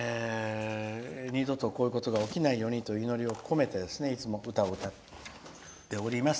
二度とこういうことが起きないようにと祈りをこめていつも歌を歌っております。